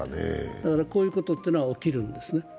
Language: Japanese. だからこういうことというのは起きるんですね。